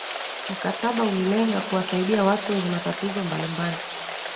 mkataba ulilenga kuwasaidia watu wenye matatizo mbalimbali